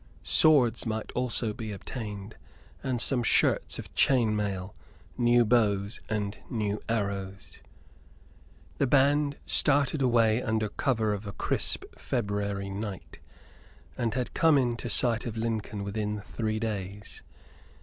Swords might also be obtained; and some shirts of chain mail, new bows and new arrows. The band started away under cover of a crisp February night, and had come into sight of Lincoln within three days.